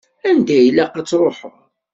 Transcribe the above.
Anda i ilaq ad truḥeḍ?